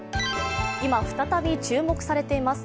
今、再び注目されています。